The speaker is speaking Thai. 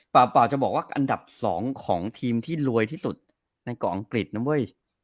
เปล่าจะบอกว่าอันดับ๒ของทีมที่รวยที่สุดในเกาะอังกฤษนะเว้ย